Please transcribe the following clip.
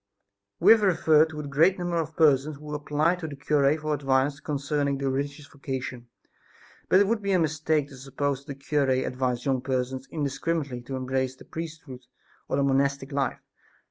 We have referred to the great number of persons who applied to the cure for advice concerning the religious vocation, but it would be a mistake to suppose that the cure advised young persons indiscriminately to embrace the priesthood or the monastic life.